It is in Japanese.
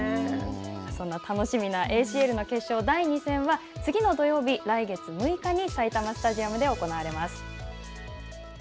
そんな楽しみなＡＣＬの決勝第２戦は次の土曜日、来月６日に埼玉スタジアムで行われます。